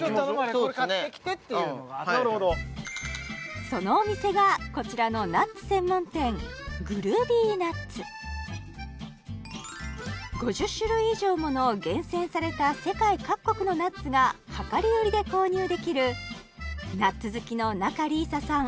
これ買ってきてっていうのがあってなるほどそのお店がこちらのナッツ専門店５０種類以上もの厳選された世界各国のナッツが量り売りで購入できるナッツ好きの仲里依紗さん